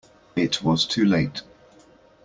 It was too late.